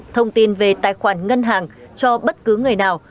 thông tin về tài khoản ngân hàng cho bất cứ người nào